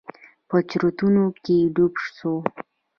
په چورتونو کښې ډوب سوم.